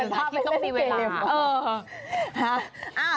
ภาพไม่ต้องมีเวลาเร็ว